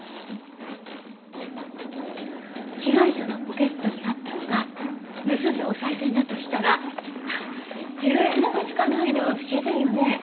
被害者のポケットにあったのが盗んだおさい銭だとしたら１０円玉しかないのは不自然よね。